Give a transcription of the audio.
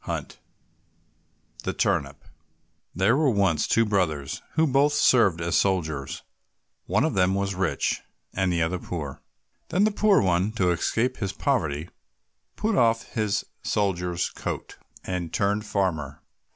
146 The Turnip There were once two brothers who both served as soldiers; one of them was rich, and the other poor. Then the poor one, to escape from his poverty, put off his soldier's coat, and turned farmer.